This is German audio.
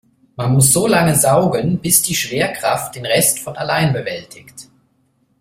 Man muss so lange saugen, bis die Schwerkraft den Rest von allein bewältigt.